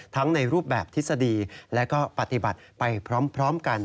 ในรูปแบบทฤษฎีและก็ปฏิบัติไปพร้อมกัน